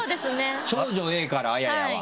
『少女Ａ』からあややは。